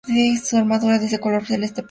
Su armadura es de color celeste plateado.